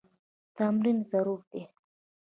تمرین ضروري دی.